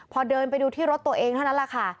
พอเดินไปดูที่รถตัวเองเท่านั้นแหละค่ะ